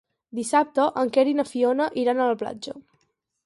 Dissabte en Quer i na Fiona iran a la platja.